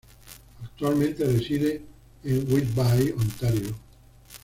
Actualmente reside en Whitby, Ontario.